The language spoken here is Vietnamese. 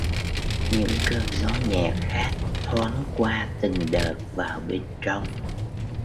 Những cơn gió nhẹ khác thoáng qua từng đợt vào bên trong